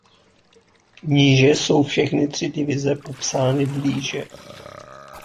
Níže jsou všechny tři divize popsány blíže.